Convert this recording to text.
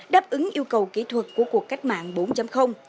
đáp ứng yêu cầu kỹ thuật của cuộc cách mạng bốn